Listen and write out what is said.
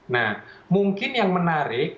nah mungkin yang menarik